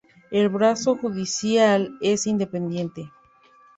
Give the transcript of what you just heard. El brazo judicial es independiente.